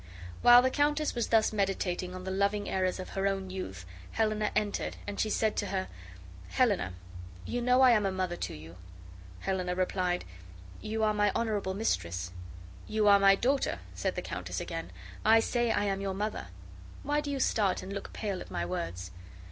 While the countess was thus meditating on the loving errors of her own youth, Helena entered, and she said to her, "Helena, you know I am a mother to you." Helena replied, "You are my honorable mistress." "You are my daughter," said the countess again. "I say I am your mother. Why do you start and look pale at my words?"